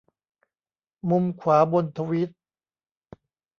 มุมขวาบนทวีต